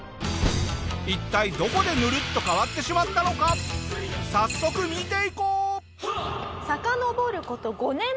一体どこでぬるっと変わってしまったのか早速見ていこう！